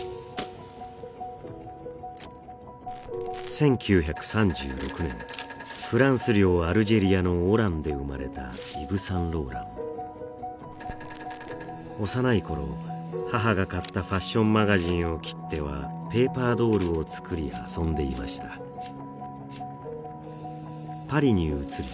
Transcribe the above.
１９３６年フランス領アルジェリアのオランで生まれたイヴ・サンローラン幼い頃母が買ったファッションマガジンを切ってはペーパードールを作り遊んでいましたパリに移り